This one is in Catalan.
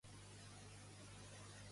Què va afirmar l'alcaldessa de Barcelona?